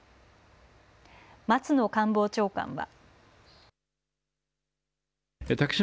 松野官房長官は。